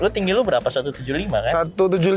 lo tinggi lo berapa satu ratus tujuh puluh lima kan